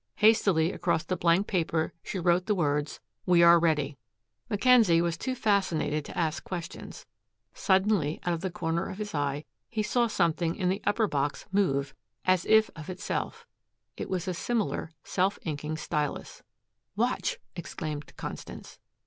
Hastily across the blank paper she wrote the words, "We are ready." Mackenzie was too fascinated to ask questions. Suddenly, out of the corner of his eye, he saw something in the upper box move, as if of itself. It was a similar, self inking stylus. "Watch!" exclaimed Constance.